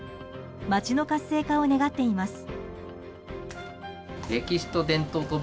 街の活性化を願っています。